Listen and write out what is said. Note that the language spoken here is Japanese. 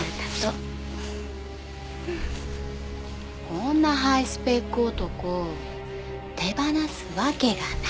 こんなハイスペック男手放すわけがない。